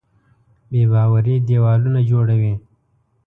بېباوري دیوالونه جوړوي.